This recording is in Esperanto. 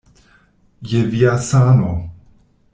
Je via sano.